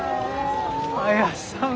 綾さん